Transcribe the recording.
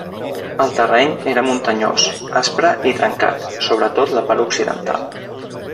El terreny era muntanyós, aspre i trencat, sobretot la part occidental.